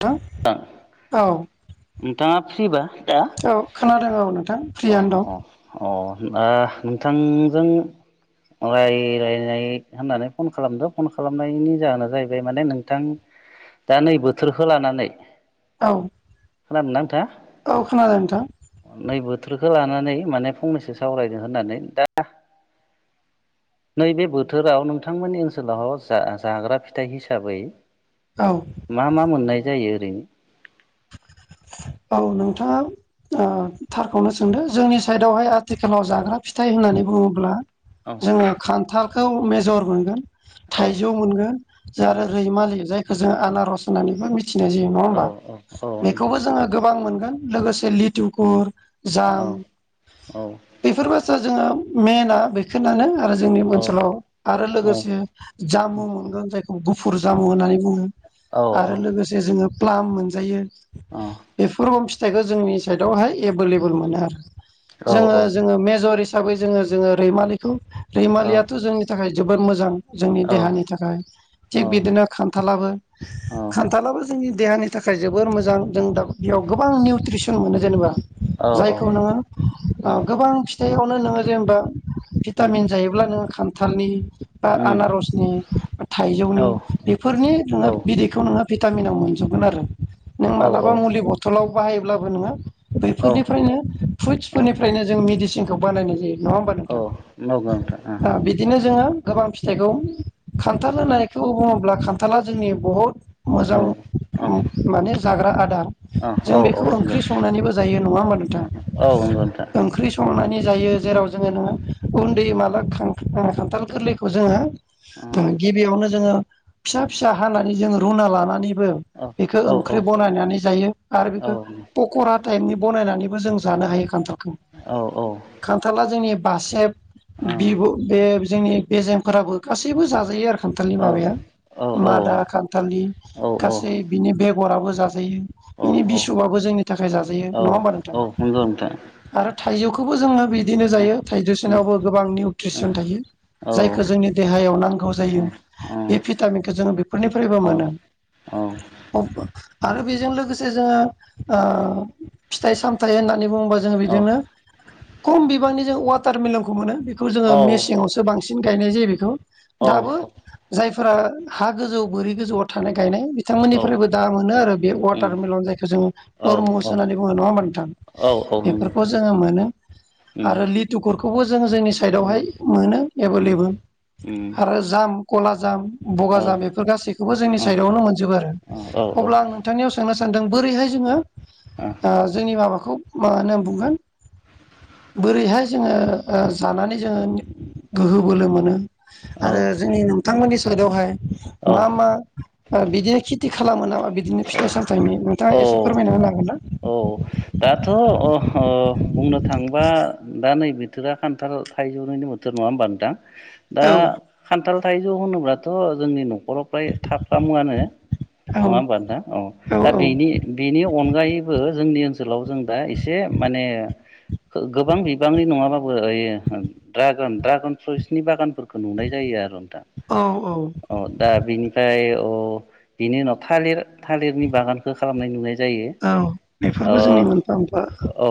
[unintelligible] औ। नोंथाङा फ्रिबा दा औ खोनादों औ नोंथां। अ फ्रियानो दं अ अ दा नोंथांजों रायलायलाय होननानै फन खालामदो फन खालामनायनि जाहोना जाहैबाय माने नोंथां दा नै बोथोरखौ लानानै औ। खोनादोंना नोंथाङा? औ खोनादों नोंथां। नै बोथोरखौ लानानै माने फंनैसो सावरायदों होननानै दा नैबे बोथोराव नोंथांमोननि ओनसोलाव जा जाग्रा फिथाइ हिसाबै औ मा मा मोननाय जायो ओरैनो? औ नोंथाङा थारखौनो सोंदो जोंनि साइदावहाय आथिखालाव जाग्रा फिथाइ होननानै बुङोब्ला जोङो खान्थालखौ मेजर मोनगोन। थाइजौ मोनगोन ज औ आरो रैमालि जायखौ जों आनारस होननानैबो मिथि मिथिनाय जायो नङा औ होमबा औ बेखौबो जोङो गोबां मोनगोन लोगोसे लिथुखुर जाम बेफोर बाथ्रा जोङो मेना बेखौनानो। आरो जोंनि ओनसोलाव आरो औ लोगोसे जामु मोनगोन जायखौ गुफुर जामु होननानै बुङो। आरो लोगोसे जोङो प्लाम मोनजायो बेफोर फिथाइखौ जोंनि साइडआवहाय एबोलएबोल मोनो आरो। औ जोङो औ जोङो मेजर हिसाबै जोङो जोङो रैमालिखौ औ रैमालियाथ' जोंनि थाखाय जोबोर मोजां। जोंनि औ देहानि थाखाय थिग बिदिनो खान्थालाबो औ खान्थालाबो जोंनि देहानि थाखाय जोबोर मोजां जों दा औ बेयाव गोबां निउट्रिसन मोनो जेनेबा औ औ जायखौ नोङो उम ओ गोबां फिथाइवनो नोङो जेनेबा उम भिटामिन जायोब्ला नों खान्थालनि बा उम आनारसनि औ थाइजौनि बेफोरनि औ नोङो बिदैखौ नोङो भिटामिनाव मोनजोबगोन आरो नों मालाबा मुलि बथलाव बाहायोब्लाबो नोङो औ बैफोरनिफ्रायनो औ फ्रुइटसफोरनिफ्रायनो जों मेडिसिनखौ बानायनाय जायो। नङा होमबा औ नोंथां नंगौ नोंथां ओ बिदिनो जोङो गोबां फिथाइखौ खान्थाल होनायखौ बुङोब्ला खान्थाला जोंनि बहुद औ मोजां औ माने जाग्रा आ औ औ जों औ बेखौ नंगौ ओंख्रि नोंथां संनानैबो जायो नङा होमबा नोंथां औ नंगौ नोंथां औ ओंख्रि संनानै जायो जेराव जोङो औ नोङो औ नंगौ नोंथां औ उन्दै मालाब खान्थाल गोरलैखौ जोङो औ गिबियावनो जोङो फिसा फिसा हानानै जोङो रुना लानानै बो बेखौ ओंख्रि बनानै जायो आरो बेखौ फक'रा टाइपनि बनायनानै बो जों जानो हायो खान्थालखौ खान्थाला जोंनि बासेब बिब बे जोंनि बेेजेेंफोराबो गासैबो जाजायो आरो खान्थालनि माबाया मादा खान्थालनि गासै बिनि बेगराबो जाजायो। बिनि बिसुबाबो जोंनि थाखाय जाजायो नङा होमबा नोंथां आरो थाइजौ खौबो जोङो बिदिनो जायो थाइड्रिसनावबो गोबां निउट्रिसन थायो। जायखौ जोंनि देहायाव नांगौ जायो बे भिटामिनखौ जों बेफोरनिफ्रायबो मोनो। अ आरो बेजों लोगोसे जोङो फिथाइ सामथाइ होननानै बुङोबा जोङो बेजोंनो खम बिबांनि जों वाटार मिलनखौ मोनो। बेखौ जोङो मेसेंआवसो बांसिन गायनाय जायो बेखौ दाबो जाय फोर हा गोजौ बोरि गोजौआव थानाय गायनाय औ औ बिथांमोननिफ्रायबो दा मोनो आरो बे अट उम टारमिलन जायखौ जोङो औ टरमुस औ होननानै बुङो नङा होमा नोंथां औ औ नंगौ बेफोरखौ नोंथां जोङो मोनो। उम आरो लिटुखुरखौबो जों जोंनि उम साइडावहाय मोनो एभोल उम एबोेल। उम आरो जाम खला जाम बगा औ जाम बेफोर गासैखौबो जोंनि औ साइडआवनो मोनजोबो आरो औ औ अब्ला आं नोंथांनियाव सों नो सानदों बोरैहाय जोङो ओ जोंनि माबाखौ मा होनो बुंगोन बोरैहाय जोङो ओ जानानै जोङो गोहो बोलो मोनो आरो औ जोंनि नोंथांमोननि साइदआवहाय मा मा ओ बिदिनो खेथि खालामो नामा बिदिनो फिथाइ सामथाइनि औ नोंथाङा एसे फोरमायना होनो हागोन ना? औ दाथ' ओ बुंनो थांबा दा नैबे बोथोरा खान्थाल थाइजौनिनो बोथोर नङा होनबा नोंथां दा औ खा न्थाल थाइजौ होनोब्लाथ' जोंनि न'खराव फ्राय थाफ्रामोआनो औ नङा होमबा नोंथां औ दा बेनि बेनि अनगायैबो जोंनि ओनसोलाव जों दा एसे माने गोबां बिबांनि नङाबाबो ओइ ड्रागन ड्रागन फ्रुइसनि बागानफोरखौ नुनाय जायो आरो नोंथां औ औ औ अ दा बेनिफ्राय थ' बिनि उनाव थालिर थालिरनि बागानखौ खालामनाय नुनाय जायो औ बेफोरबो जोंनि ओ मोनफा मोनफा औ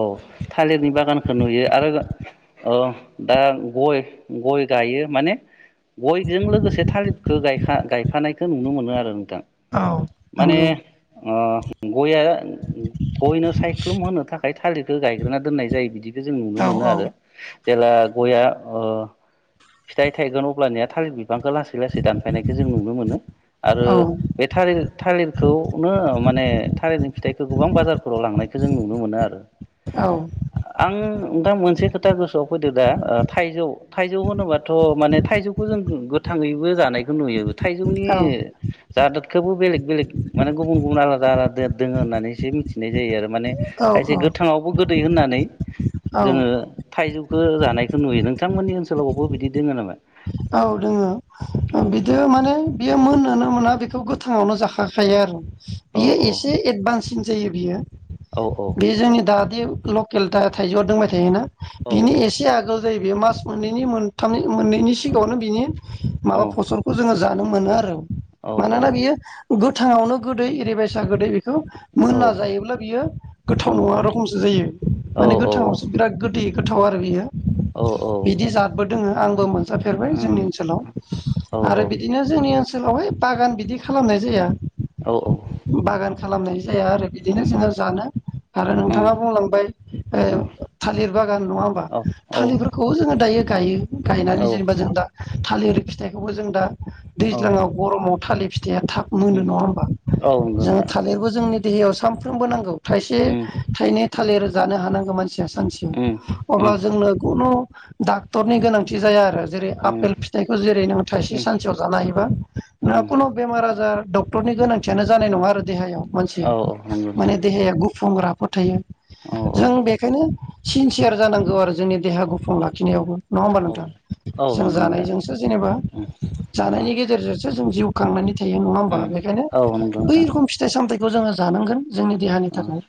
थालिरनि बागानखौ नुयो आरो औ दा गय गय गायो माने गयजों लोगोसे थालिरखौ गायफानायखौ नुनो मोनो आरो नोंथां। औ माने नंगौ अ गया गयनो सायख्लुम होनो थाखाय थालिरखौ गायग्रोना दोननाय जायो बिदि बेखौ जों नुनो औ मोनो आरो जेब्ला गया अ फिथाइ थाइगोन अब्लानिया थालिर बि बिफांखौ लासै लासै दानफायनायखौ जों नुनो मोनो आरो औ बे थालिर थालिरखौनो माने थालिरनि फिथाइखौ गोबां बाजारफोराव लांनायखौ जों नुनो मोनो आरो आं नोंथां मोनसे खोथा गोसोआव फैदो दा ओ थाइजौ थाइजौ होनोबाथ' मा माने थाइजौखौ जों गोथाङैबो जानायखौ नुयो थाइजौनि जादखौबो बेलेग माने गुबुन गुबुन आलादा आलादा दङ होननानै एसे मिथिनाय जायो आरो माने औ खायसे गोथाङावबो गोदै होननानै औ जोङो थाइजौखौ जानायखौ नुयो नोंथांमोनि ओनसोलावबो बिदि दोङो नामा औ दोङो बिदि माने बियो मोननोनो मोना बेखौ गो थाङावनो जाखाखायो आरो औ बियो औ एसे एडभान्सन जायो बियो औ बे जोंनि दादि लकेल दा थाइजौआ दंबाय थायोना औ बिनि औ एसे आगोल जाहैबाय मास मोननैनि मोनथाम मोननैनि सिगाङावनो बिनि औ माबा फसलखौ जोङो जानो मोनो आरो औ मानोना बियो गो गोथाङावनो गोदै एरिबायसा गोदै बे बेखौ औ मोनना जायोब्ला बियो गोथाव नङा रखमसो जायो औ माने गोथाङावसो बिराद गोदै गोथाव आरो बियो बिदि जादबो दोङो आंबो मो नजाफेरबाय जोंनि औ ओनसोलाव आरो बिदिनो जो जोंनि ओनसोलावहाय बागान बिदि खालामनाय जाया औ औ बागान खालामनाय जाया आरो बिदिनो जोङो जानो आरो औ नोंथाङा बुंलांबाय औ ओ थालिर बागान नङा होमबा औ औ थालिरफोरखौ जोङो दायो गायो औ गायनानै जेनेबा जों दा थालिरि फिथाइखौबो जों दा औ दैज्लाङाव गरमाव थालिर फिथाया थाब मोनो उम नङा होमबा औ नंगौ जों नोंथां थालिरबो जोंनि देहायाव सानफ्रोमबो नांगौ थाइसे उम थाइनै थालिर जानो हानांगौ मानसिया उम सानसेयाव उम उम अब्ला जोंनो खुनु डाक्टरनि गोनांथि जाया आरो जेरै उम आपेल फिथाइखौ जेरै नों थाइसे सानसेयाव जानो हायोबा उम नों खुनु बेमार आजार डक्टरनि गोनांथियानो जानाय उम नङा आरो देहायाव मानसि औ नंगौ नोंथां माने देहाया गुफुं रा फोद थायो औ जों बेखायनो सिनसियार जानांगौ आरो जोंनि देहा गुफुं लाखिनायावबो नङा होमबा नोंथां औ औ जों नंगौ नोंथां जानायजोंसो जेनेबा उम जानायनि ओ गेजेरजोंसो जों जिउ खांनानै थायो नङा होमबा उम बेखायनो औ नंगौ बै नोंथां रखोम फिथाइ सामथाइखौ जोङो जानांगोन जोंनि देहानि ओ थाखाय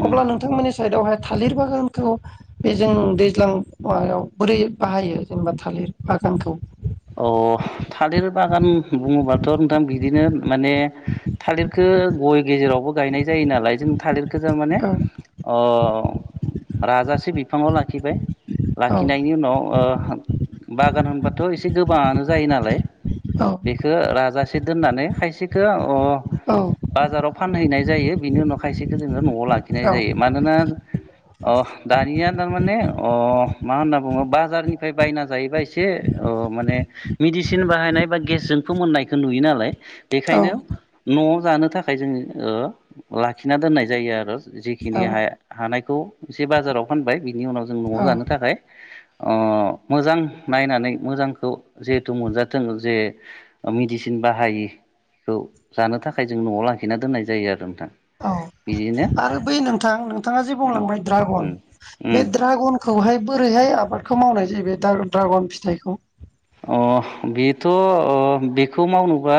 उम अब्ला नोंथांमोननि साइडआवहाय थालिर बागानखौ बे जों दैज्लां माबायाव बोरै बाहायो जेनेबा थालिर बागोनखौ अ थालिर बागान बुंङोबाथ' नोंथां बिदिनो माने थालिरखौ गय गेजेरावबो गायनाय जायो नालाय जों थालिरखौ थारमाने औ अ राजा से बिफांङाव लाखिबाय औ लाखिनायनि उनाव बागान होनबाथ' एस एसे गोबांङानो जायो नालाय औ बेखौ राजासे दोननानै खायसेखौ अ औ बाजाराव फानहैनाय जायो बिनि उनाव खायसेखौ जोंङो न'आव लाखिनाय औ जायो मानोना अ दानिया थारमाने अ मा होनना बुंङो बाजारनि फ्राय बायना जायोबा एसे अ माने मेडिसिन बाहायनाय बा गेसजोंथ मोननायखौ नुयो नालाय बेखायनो न'आव जानो थाखाय जों ओ लाखिना दोननाय जायो आरो जिखिनि औ हा-हानायखौ एसे बाजाराव फानबाय बिनि उनाव जों न'आव औ जानो थाखाय अ मोजां नायनानै मोजांखौ जहेथु मोनजाथों जे मेडिसिन बाहायि बेखौ जानो थाखाय जों न'आव लाखिना दोननाय जायो आरो नोंथां औ बिदिनो आरो बै नोंथां नोंथांङा जे बुंलांबाय ड्रागन उम बे उम ड्रागनखौहाय बोरैहाय आ आबादखौ मावनाय जाहैबाय द्रागन फिथाइखौ। बेथ' बेखौ मावनोबा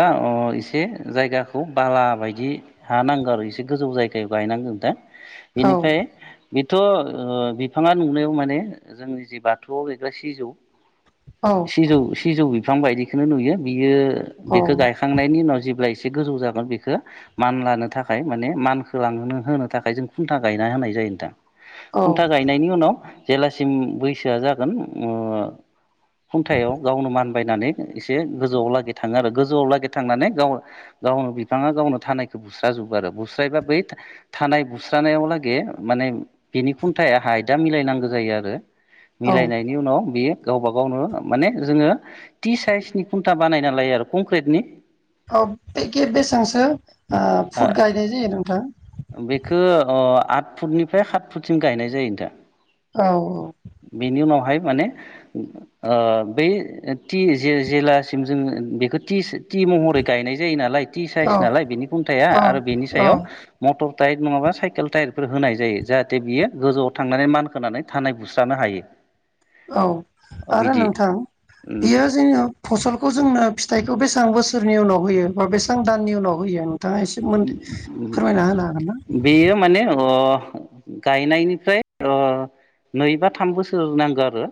एसे जायगाखौ बारा बाला बायदि हानांगौ आरो एसे गोजौ जायगायाव गायनांगोन दा औ बेनिफ्राय बेथ' बिफांङा नुनायाव माने जोंनि जि बाथौआव बेग्रा सिजौ औ सिजौ सिजौ बिफां बायदिखौनो नुयो बियो औ बेखौ गायखांनायनि उनाव जेब्लाय एसे गोजौ जागोन बेखौ मान लानो थाखाय माने मानखौ होनो थाखाय जों खुन्था गायना होनाय जायो। नोंथां। औ खुन्था गायनायनि उनाव जेलासिम बैसोआ जागोन। खुंथायाव गावनो मानबायनानै एसे गोजौआव लागि थांङो आरो गोजौआव लागि थांनानै गाव गाव ग बिफांङा गावनो थानायखौ बुस्रााजोबो आरो बुस्रायबा बै थानाय बुस्रानायाव लागै माने बिनि खुन्थायाहाय दा मिलायनांगौ जायो आरो औ मिलायनायनि उनाव बि गावबा गावनो माने जोंङो टि साइसनि खुन्था बानायना लायो आरो कंक्रिटनि औ बेखे बेसेबांसो फुड गायनाय जायो नोंथां। बेखौ आट फुटनिफ्राय सात फुटसिम गायनाय जायो नोंथा। औ। बेवहाय माने ओ बै जेलासिम जोंङो बेखौ टि टि महरै गायनाय जायो नालाय टि साइस औ नालाय बिनि खुन्थाया औ आरो बेनि औ सायाव मटर टायार नंङाबा साइकेल टायारफोर होनाय जायो जाहाथे बियो गोजौआव थांनानै मानखोनानै थानाय बुस्रानो हायो [unintelligible] औ आरो बिदि नोंथां बियो जोंङो फसलखौ जोंनो फिथाइखौ बेसे बेसेबां बोसोरनि उनाव होयो बा बेसेबां दाननि उनाव होयो नोंथाङा एसे मोन फोरमायना होनो हागोन ना बेयो माने गायनायनिफ्राय नै बा थाम बोसोर नांगौ आरो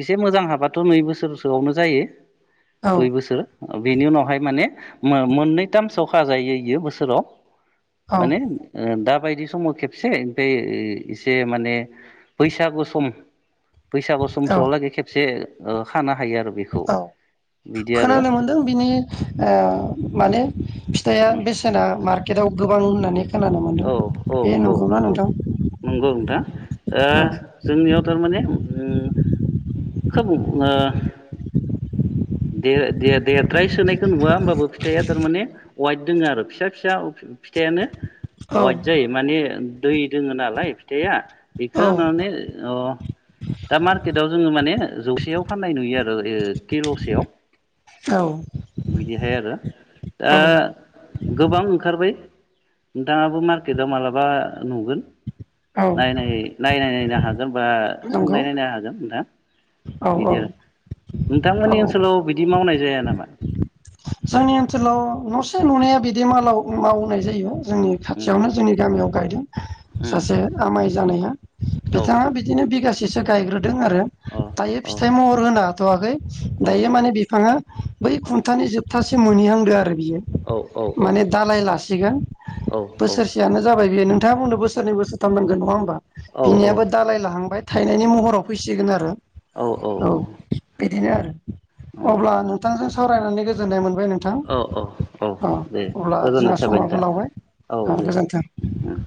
एसे मोजां हाबाथ' नै बोसोरसोआवनो जायो औ दुइ बोसोर बेनि उनावहाय माने मोननैथामसोखााजायो बोसोराव औ माने दा माबायदि समाव खेबसे ओमफ्राय एसे माने बैसागु सम बैसागु सम औ समलागै खेबसे खाना औ खोनानो मोनदों बिनि माने फिथाइ या उम बेसेना मार्केट आआव गोबां होननानै खोनानो मोन्दों औ औ बे औ नंगौना औ नोंथां? नंगौ नोंथां औ जोंनियाव थारमाने खोब आओ दे दे दे द्राय सोनायखौ नुवा होमबाबो फिथाइआ थारमाने वाइट दङ आरो फिसा फिसा फिथाइयानो औ वाइद जायो माने दै दोङो नालाय फिथाइया बेखौ माने ओ दा मार्केटआव जोङो माने जौसेयाव फाननाय नुयो आरो। केल'सेयाव औ बिदिहाय आरो दा औ गोबां ओंखारबाय नोंथाङाबो मार्केटआव मालाबा नुगोन औ नायनायनो हागोन बा नंगौ सोंनाय नायनो हागोन नोंथाङा। औ बिदि औ नोंथांमोननि औ ओनसोलाव बिदि मावनाय जाया नामा? जोंनि ओनसोलाव न'से न'नैया बिदि मावनाय जायो। जोंनि उम खाथियावनो जोंनि गामियाव गायदों उम सासे आमाइ जानायहा औ बिथाङा बिदिनो बिगासे सो गायग्रो दों आरो अ दायो अ फिथाइ महर होनो हाथ'वाखै औ दायो माने बिफाङा बै खुन्थानि जोबथासे मोनहैहांदो आरो बियो औ औ माने दालाय लासिगोन। औ बोसोरसेयानो जाबाय बेयो नोंथाङा बुंदो बोसोरनै बोसोरथाम नांगोन होमबा बिनियाबो दालाय लाहांबाय थायनायनि महराव फैसिगोन आरो। औ बिदिनो आरो अब्ला नोंथांजों सावरायनानै गोजोननाय मोन बाय नोंथां औ औ अ दे अब्ला जोंना गोजोननाय थाबाय समाबो नोंथां लावबाय औ दे गोजोन्थों। उम